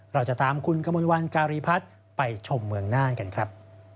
เราจะตามคุณกมลวันการีพัฒน์ไปชมเมืองน่านกันครับ